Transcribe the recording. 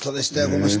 この人。